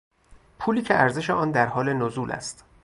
پولی که ارزش آن در حال نزول است